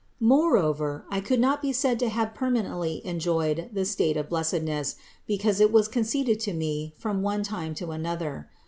Moreover I could not be said to have permanently enjoyed the state of blessedness, because it was conceded to me from one time to another.